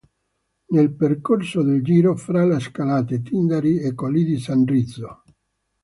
Nel percorso del Giro, fra la scalate, Tindari e colli di San Rizzo.